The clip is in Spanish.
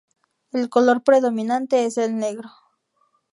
El color predominante es el negro.